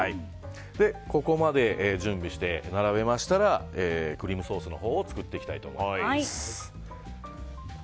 ここまで準備して並べましたらクリームソースを作っていきたいと思います。